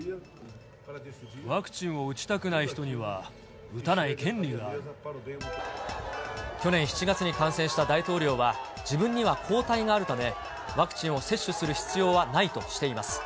ワクチンを打ちたくない人に去年７月に感染した大統領は、自分には抗体があるため、ワクチンを接種する必要はないとしています。